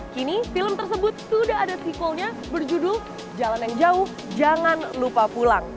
kini film tersebut sudah ada tikulnya berjudul jalan yang jauh jangan lupa pulang